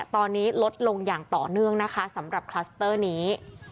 ตอนนี้ลดลงอย่างต่อเนื่องนะคะสำหรับคลัสเตอร์นี้